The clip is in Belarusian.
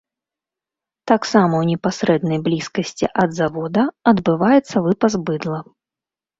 Таксама ў непасрэднай блізкасці ад завода адбываецца выпас быдла.